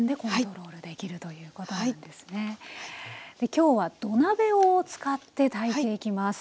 今日は土鍋を使って炊いていきます。